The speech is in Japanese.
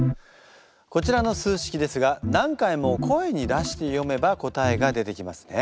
こちらの数式ですが何回も声に出して読めば答えが出てきますね。